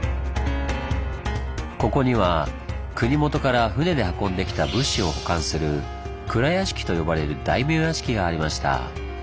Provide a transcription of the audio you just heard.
ここには国元から船で運んできた物資を保管する「蔵屋敷」と呼ばれる大名屋敷がありました。